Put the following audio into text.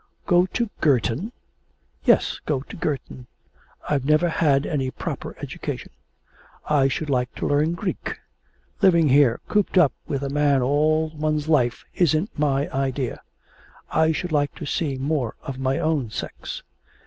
'Go to Girton!' 'Yes, go to Girton. I've never had any proper education. I should like to learn Greek. Living here, cooped up with a man all one's life isn't my idea. I should like to see more of my own sex.